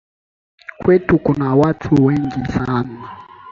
Kwetu kuna watu wengi sana